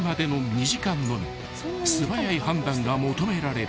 ［素早い判断が求められる］